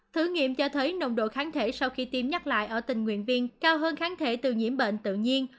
thử nghiệm cho thấy nồng độ kháng thể sau khi tiêm nhắc lại ở tình nguyện viên cao hơn kháng thể từ nhiễm bệnh tự nhiên